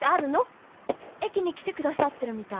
駅に来てくださってるみたい。